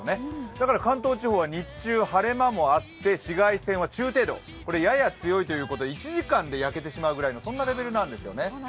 だから関東地方は日中、晴れ間もあって紫外線は中程度これはやや強い程度で１時間で焼けてしまうぐらいのレベルなんですね。